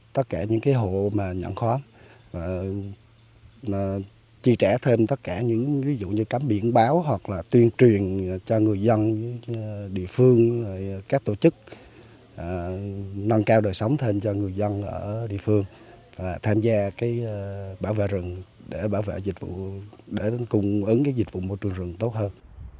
tất cả những cái hộ mà nhận khoán chi trả thêm tất cả những ví dụ như cám biển báo hoặc là tuyên truyền cho người dân địa phương các tổ chức nâng cao đời sống thêm cho người dân ở địa phương tham gia cái bảo vệ rừng để bảo vệ dịch vụ để cung ứng cái dịch vụ môi trường rừng tốt hơn